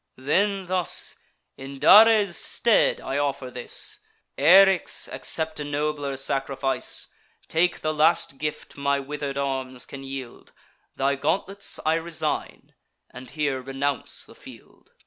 Then, thus: "In Dares' stead I offer this. Eryx, accept a nobler sacrifice; Take the last gift my wither'd arms can yield: Thy gauntlets I resign, and here renounce the field."